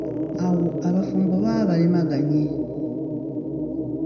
Awo abafumbo baba balemaganye.